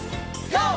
ＧＯ！